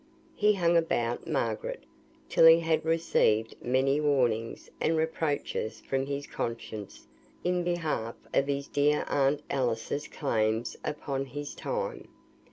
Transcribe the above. He hung about Margaret, till he had received many warnings and reproaches from his conscience in behalf of his dear aunt Alice's claims upon his time.